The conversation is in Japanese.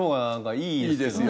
いいですよね。